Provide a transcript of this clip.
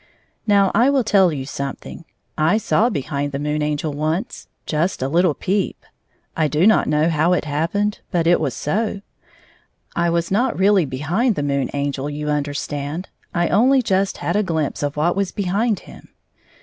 Now I will tell you something: — I saw behind the Moon Angel once ^ just a little peep. I do not know how it happened, but so it was. I was not really behind the Moon Angel, you understand, I only just had a glimpse of what was behind him.